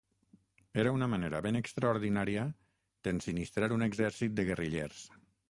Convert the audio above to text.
Era una manera ben extraordinària d'ensinistrar un exèrcit de guerrillers.